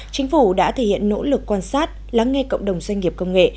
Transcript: chính phủ đã thể hiện nỗ lực quan sát lắng nghe cộng đồng doanh nghiệp công nghệ